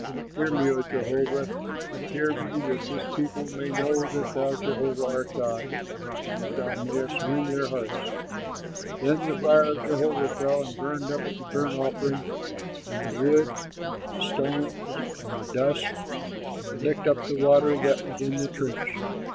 Hear me, O Jehovah, hear me, that this people may know that thou, Jehovah, art God, and that thou mayst win their hearts." Then the fire of Jehovah fell and burned up the burnt offering and the wood, the stones and the dust, and licked up the water that was in the trench.